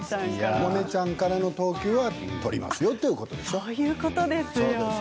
モネちゃんからの投球は取りますよということ。